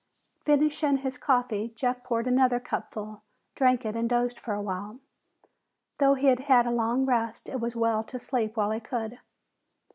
Finishing his coffee, Jeff poured another cupful, drank it and dozed for a while. Though he had had a long rest, it was well to sleep while he could.